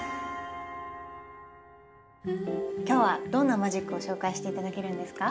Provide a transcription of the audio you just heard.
今日はどんなマジックを紹介して頂けるんですか？